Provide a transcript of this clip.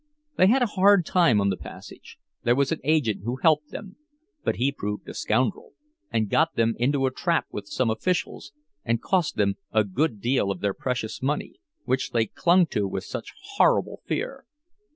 They had a hard time on the passage; there was an agent who helped them, but he proved a scoundrel, and got them into a trap with some officials, and cost them a good deal of their precious money, which they clung to with such horrible fear.